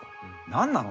「何なの？